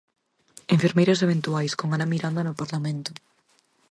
Enfermeiras eventuais con Ana Miranda no Parlamento.